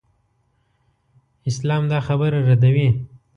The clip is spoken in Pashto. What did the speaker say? اسلام دا خبره ردوي.